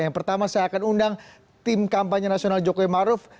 yang pertama saya akan undang tim kampanye nasional jokowi maruf